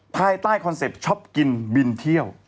ภายใต้คอนเซ็ปต์ชอบกินบินเที่ยว